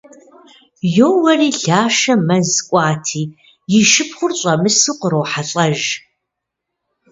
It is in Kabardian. Йоуэри, Лашэ мэз кӏуати, и шыпхъур щӏэмысу кърохьэлӏэж.